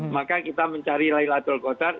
maka kita mencari ilahiyah danul khair